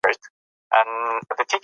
سياسي ډلې له دې ګټه اخلي.